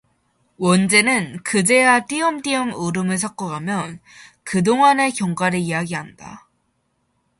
원재는 그제야 띄엄띄엄 울음을 섞어 가며 그 동안의 경과를 이야기한다.